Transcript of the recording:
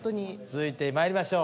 続いてまいりましょう。